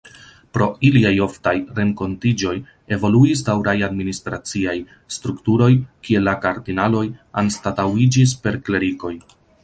Pro iliaj oftaj renkontiĝoj evoluis daŭraj administraciaj strukturoj, kie la kardinaloj anstataŭiĝis per klerikoj.